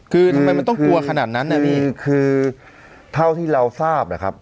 คือทำไมมันต้องกลัวขนาดนั้นน่ะพี่คือเท่าที่เราทราบนะครับ